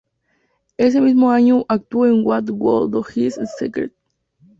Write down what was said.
En ese mismo año, actuó en "What We Do Is Secret".